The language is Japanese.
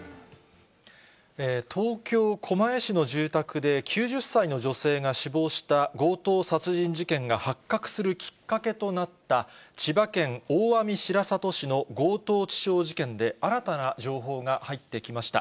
東京・狛江市の住宅で９０歳の女性が死亡した強盗殺人事件が発覚するきっかけとなった、千葉県大網白里市の強盗致傷事件で新たな情報が入ってきました。